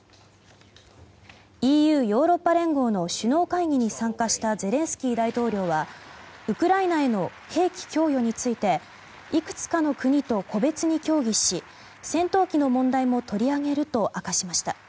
ＥＵ・ヨーロッパ連合の首脳会議に参加したゼレンスキー大統領はウクライナへの兵器供与についていくつかの国と個別に協議し戦闘機の問題も取り上げると明かしました。